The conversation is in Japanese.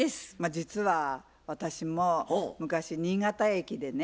実は私も昔新潟駅でね